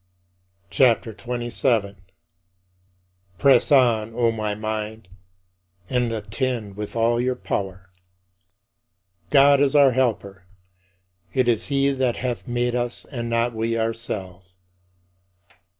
CHAPTER XXVII 34. Press on, O my mind, and attend with all your power. God is our Helper: "it is he that hath made us and not we ourselves."